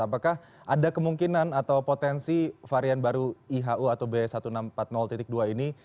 apakah ada kemungkinan atau potensi varian baru ihu atau b seribu enam ratus empat puluh dua ini